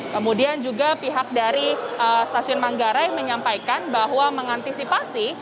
kemudian juga pihak dari stasiun manggarai menyampaikan bahwa mengantisipasi